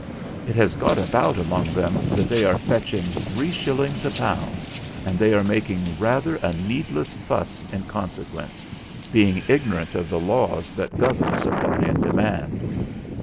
It has got about among them that they are fetching three shillings a pound, and they are making rather a needless fuss in consequence, being ignorant of the laws that govern supply and demand.